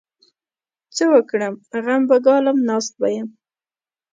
څه وکړم؟! غم به ګالم؛ ناست به يم.